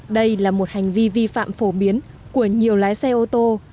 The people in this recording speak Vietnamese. đây là một hành vi vi phạm phổ biến của nhiều lái xe ô tô